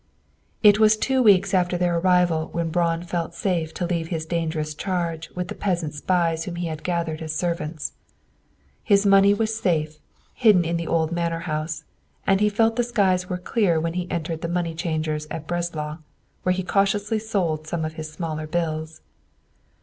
It was two weeks after their arrival when Braun felt safe to leave his dangerous charge with the peasant spies whom he had gathered as servants. His money was safe, hidden in the old manor house; and he felt the skies were clear when he entered the money changers at Breslau, where he cautiously sold some of his smaller bills.